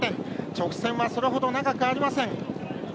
直線は、それほど長くありません。